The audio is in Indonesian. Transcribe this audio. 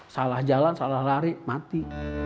salah jalan salah lari mati